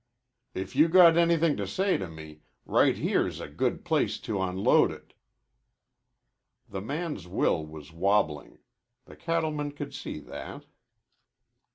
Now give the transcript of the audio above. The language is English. "If you got anything to say to me, right here's a good place to onload it." The man's will was wobbling. The cattleman could see that.